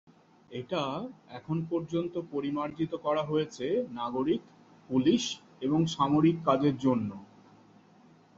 এটা এখন পর্যন্ত পরিমার্জিত করা হয়েছে নাগরিক, পুলিশ এবং সামরিক কাজের জন্য।